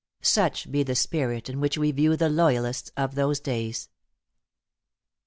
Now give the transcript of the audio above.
Such be the spirit in which we view the loyalists of those days. I.